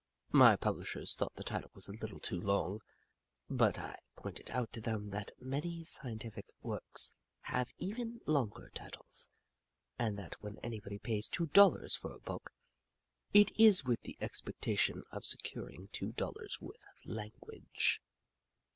My publishers thought the title was a little too long, but I pointed out to them that many scientific works have even longer titles, and that when anybody pays two dollars for a book, it is with the expectation of securing two dollars' worth of language.